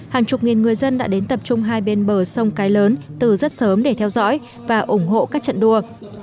hàng chục nghìn người dân đã đến tập trung hai bên bờ sông cái lớn từ rất sớm để theo dõi và ủng hộ các trận đua